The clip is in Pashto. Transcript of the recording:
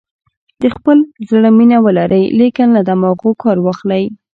د خپل زړه مینه ولرئ لیکن له دماغو کار واخلئ.